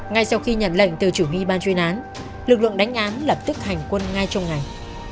ngay sau khi nhận lệnh từ chủ nghi ban chuyên án lực lượng đánh án lập tức hành quân ngay trong ngày